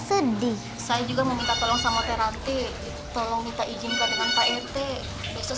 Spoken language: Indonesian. saya juga mau minta tolong sama tera t